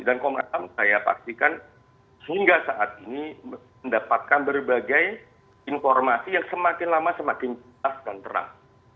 dan saya pastikan sehingga saat ini mendapatkan berbagai informasi yang semakin lama semakin jelas dan terang